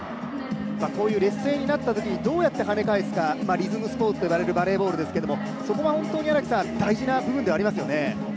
こういう劣勢になったときに、どうはね返すか、リズムスポーツといわれるバレーボールですけれどもそこは本当に大事な部分ではありますよね。